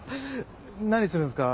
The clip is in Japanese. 何するんすか？